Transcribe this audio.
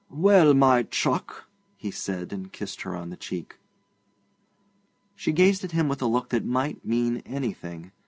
'Well, my chuck!' he said, and kissed her on the cheek. She gazed at him with a look that might mean anything.